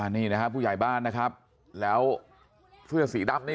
นี่นะครับผู้ใหญ่บ้านนะครับแล้วเสื้อสีดำนี่